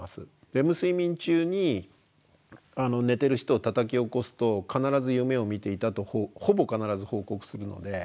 レム睡眠中に寝てる人をたたき起こすと必ず夢を見ていたとほぼ必ず報告するので。